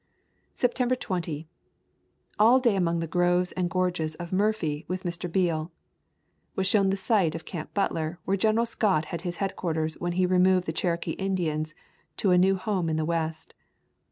September 20. All day among the groves and gorges of Murphy with Mr. Beale. Was shown the site of Camp Butler where General Scott had his headquarters when he removed the Cherokee Indians to a new home in the West.